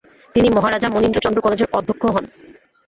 তিনি মহারাজা মনীন্দ্রচন্দ্র কলেজের অধ্যক্ষ হন।